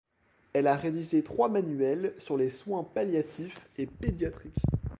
Elle a rédigé trois manuels sur les soins palliatifs et pédiatriques.